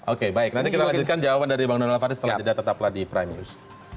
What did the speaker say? oke baik nanti kita lanjutkan jawaban dari bang donald faris setelah jeda tetaplah di prime news